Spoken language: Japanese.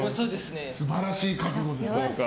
素晴らしい覚悟ですね。